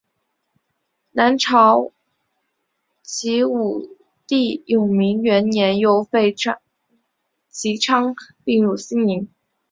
南朝齐武帝永明元年又废齐昌并入兴宁。